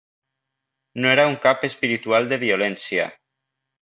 No era un ‘cap espiritual’ de violència.